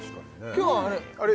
今日はあれっ？